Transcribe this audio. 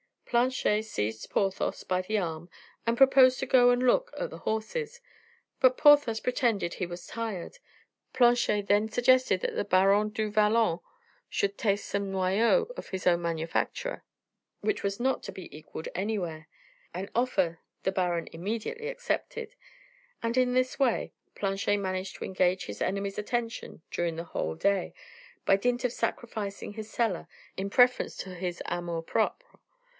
Planchet seized Porthos by the arm, and proposed to go and look at the horses, but Porthos pretended he was tired. Planchet then suggested that the Baron du Vallon should taste some noyeau of his own manufacture, which was not to be equaled anywhere; an offer the baron immediately accepted; and, in this way, Planchet managed to engage his enemy's attention during the whole of the day, by dint of sacrificing his cellar, in preference to his amour propre.